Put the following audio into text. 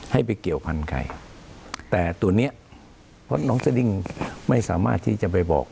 ให้ไปเกี่ยวพันธุ์ใครแต่ตัวเนี้ยเพราะน้องสดิ้งไม่สามารถที่จะไปบอก